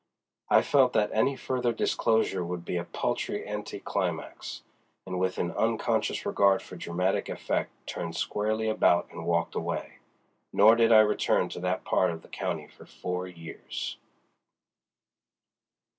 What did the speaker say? I felt that any further disclosure would be a paltry anti climax, and with an unconscious regard for dramatic effect turned squarely about and walked away. Nor did I return to that part of the county for four years.